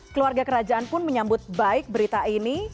keluarga kerajaan pun menyambut baik berita ini